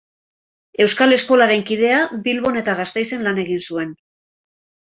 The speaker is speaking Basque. Euskal Eskolaren kidea, Bilbon eta Gasteizen lan egin zuen.